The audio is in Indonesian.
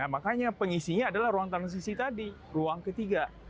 makanya pengisinya adalah ruang transisi tadi ruang ketiga